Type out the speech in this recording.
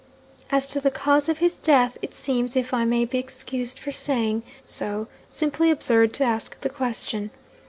'"As to the cause of his death, it seems (if I may be excused for saying so) simply absurd to ask the question.